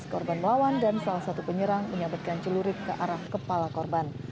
korban melawan dan salah satu penyerang menyabetkan celurit ke arah kepala korban